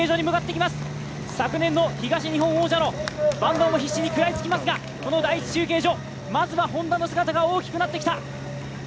昨年の東日本王者の板東も必死に食らいつきますが、この第１中継所、まずはＨｏｎｄａの姿が大きくなってきた。